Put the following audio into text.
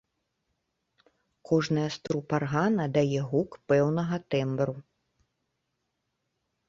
Кожная з труб аргана дае гук пэўнага тэмбру.